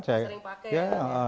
sering pakai ya